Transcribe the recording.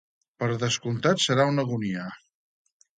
Per descomptat, serà una agonia.